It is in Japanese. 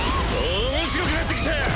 面白くなってきた。